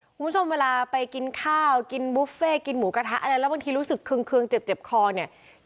คุณผู้ชมเวลาไปกินข้าวกินบุฟเฟต์กินหมูกระทะอะไรแล้วบางทีรู้สึกเคืองเจ็บคอเนี่ย